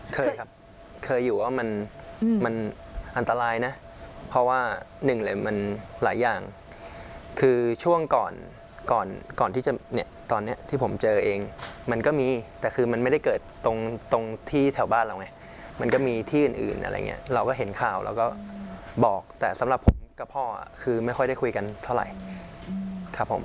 เคยครับเคยอยู่ว่ามันอันตรายนะเพราะว่าหนึ่งเลยมันหลายอย่างคือช่วงก่อนก่อนที่จะเนี่ยตอนนี้ที่ผมเจอเองมันก็มีแต่คือมันไม่ได้เกิดตรงที่แถวบ้านเราไงมันก็มีที่อื่นอะไรอย่างเงี้ยเราก็เห็นข่าวเราก็บอกแต่สำหรับผมกับพ่อคือไม่ค่อยได้คุยกันเท่าไหร่ครับผม